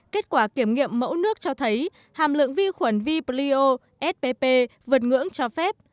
kết quả kiểm nghiệm mẫu nước cho thấy hàm lượng vi khuẩn v plio spp vượt ngưỡng cho phép